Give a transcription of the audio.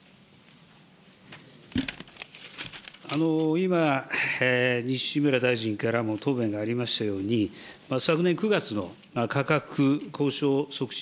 今、西村大臣からも答弁がありましたように、昨年９月の価格交渉促進